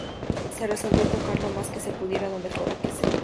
Se resolvió tocar lo más que se pudiera, donde fuera que sea.